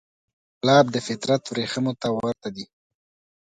ګلاب د فطرت وریښمو ته ورته دی.